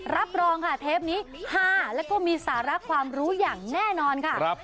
รับรองค่ะเทปนี้ฮาแล้วก็มีสาระความรู้อย่างแน่นอนค่ะ